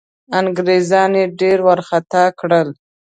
انګرېزان ډېر وارخطا کړل.